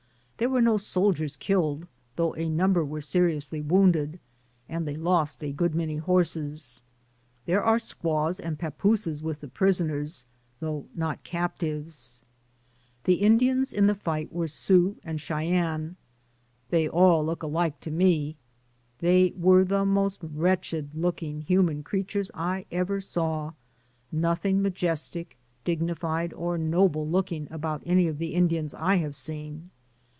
There were no soldiers killed, though a number were seriously wounded, and they lost a good many horses. There were squaws and papooses with the prisoners, though not cap tives. The Indians in the fight were Sioux and Cheyennes ; they all look alike to me. They io6 DAYS ON THE ROAD. were the most wretched looking human crea tures I ever saw, nothing majestic, dignified, or noble looking about any of the Indians I have seen.